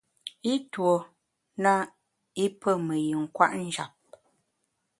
I tuo na i pe me yin kwet njap.